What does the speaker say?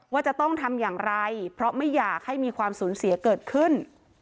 ว่าจะต้องทำอย่างไรเพราะไม่อยากให้มีความสูญเสียเกิดขึ้น